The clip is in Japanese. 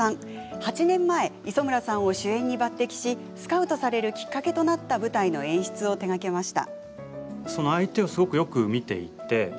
８年前磯村さんを主演に抜てきしスカウトされるきっかけとなった舞台の演出を手がけました。